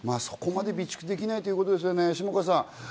そこまで備蓄できないということですよね、下川さん。